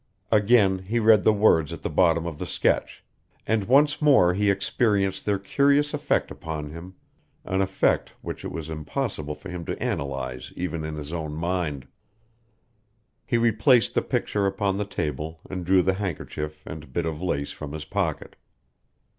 Again he read the words at the bottom of the sketch, and once more he experienced their curious effect upon him an effect which it was impossible for him to analyze even in his own mind. He replaced the picture upon the table and drew the handkerchief and bit of lace from his pocket.